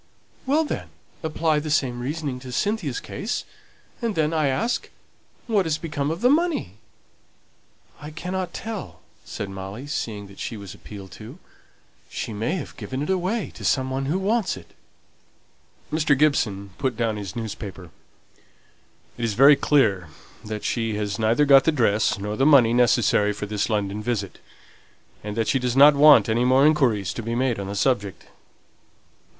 "Well, then, apply the same reasoning to Cynthia's case; and then, I ask, what has become of the money?" "I cannot tell," said Molly, seeing that she was appealed to. "She may have given it away to some one who wants it." Mr. Gibson put down his newspaper. "It's very clear that she has neither got the dress nor the money necessary for this London visit, and that she doesn't want any more inquiries to be made on the subject.